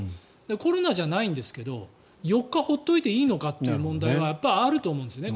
コロナじゃないんですけど４日放っておいていいのかっていう問題はあると思うんですね